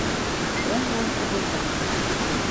Шоҥго кугыза.